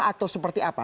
atau seperti apa